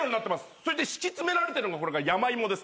それで敷き詰められてるのこれがヤマイモです。